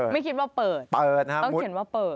ไม่คิดว่าเปิดเปิดต้องเขียนว่าเปิด